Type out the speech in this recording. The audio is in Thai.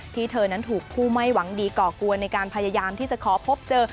เธอนั้นถูกผู้ไม่หวังดีก่อกวนในการพยายามที่จะขอพบเจอ